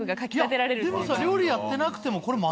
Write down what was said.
でもさ料理やってなくてもこれ。